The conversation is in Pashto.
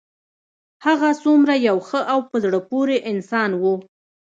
هغه څومره یو ښه او په زړه پورې انسان و